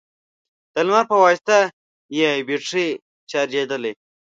د لمر په واسطه يې بېټرۍ چارجېدلې،